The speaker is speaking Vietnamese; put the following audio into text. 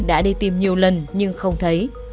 đã đi tìm nhiều lần nhưng không thấy